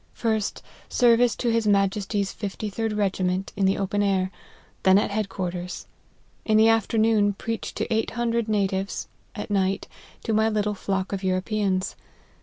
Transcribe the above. First, service to his Majesty's fifty third regiment, in the open air ; then at head quarters ; in the afternoon, preached to eight hundred natives ; at night, to my little flock of Europeans.